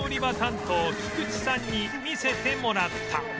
菊池さんに見せてもらった